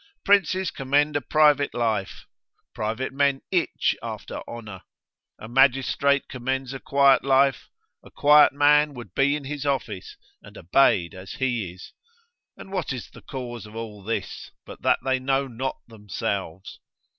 Princes commend a private life; private men itch after honour: a magistrate commends a quiet life; a quiet man would be in his office, and obeyed as he is: and what is the cause of all this, but that they know not themselves?